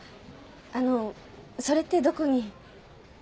あのそれってどこに？